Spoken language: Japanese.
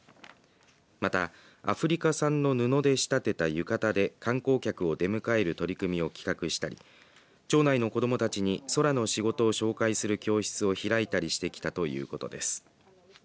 またアフリカ産の布で仕立てた浴衣で観光客を出迎える取り組みを企画したり町内の子どもたちに空の仕事を紹介する教室を開いたりしてきたということです。